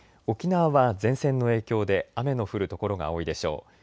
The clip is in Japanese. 沖縄は前線の影響で雨の降る所が多いでしょう。